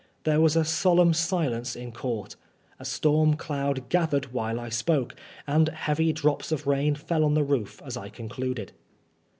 There was a solemn silence in court A storm clond gathered while I spoke, and heavy drops of rain fell on the roof as I concluded.